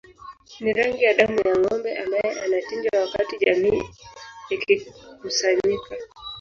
Ni rangi ya damu ya ngombe ambae anachinjwa wakati jamii ikikusanyika